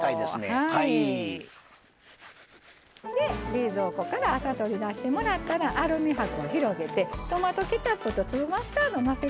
冷蔵庫から朝取り出してもらったらアルミ箔を広げてトマトケチャップと粒マスタードをのせて下さい。